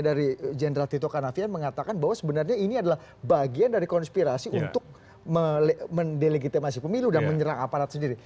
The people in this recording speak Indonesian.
dari jenderal tito karnavian mengatakan bahwa sebenarnya ini adalah bagian dari konspirasi untuk mendelegitimasi pemilu dan menyerang aparat sendiri